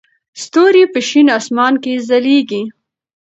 ستوري په شین اسمان کې ځلېږي.